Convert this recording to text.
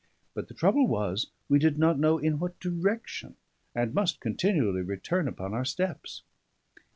But the trouble was, we did not know in what direction, and must continually return upon our steps.